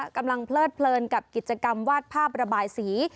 เพลิดเพลินกับกิจกรรมวาดภาพระบายสี